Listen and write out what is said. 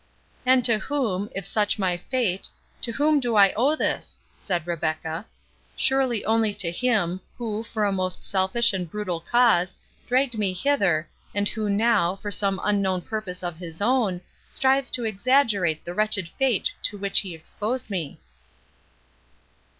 "And to whom—if such my fate—to whom do I owe this?" said Rebecca "surely only to him, who, for a most selfish and brutal cause, dragged me hither, and who now, for some unknown purpose of his own, strives to exaggerate the wretched fate to which he exposed me."